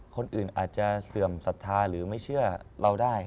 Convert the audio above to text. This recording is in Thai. คนอื่นอาจจะเสื่อมศรัทธาหรือไม่เชื่อเราได้